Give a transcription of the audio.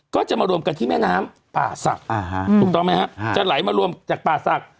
ก็จะมารวมกันที่แม่น้ำป่าศักดิ์ถูกต้องไหมฮะจะไหลมารวมจากป่าศักดิ